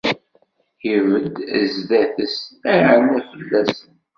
Ibedd sdat-s, iɛenna fell-asen.